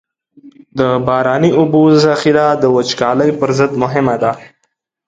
د باراني اوبو ذخیره د وچکالۍ پر ضد مهمه ده.